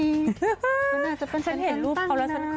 ฉันอาจจะเป็นฉันเห็นรูปเขาแล้วฉัน